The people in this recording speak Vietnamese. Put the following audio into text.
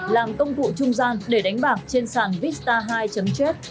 làm công vụ trung gian để đánh bạc trên sàn vista hai jet